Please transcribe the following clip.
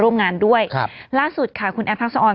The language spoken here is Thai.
ร่วมงานด้วยครับล่าสุดค่ะคุณแอฟทักษะออน